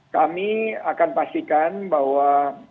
kami akan pastikan bahwa